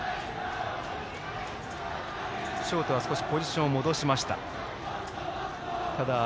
ショートはポジションを戻しました。